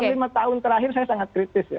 lima tahun terakhir saya sangat kritis ya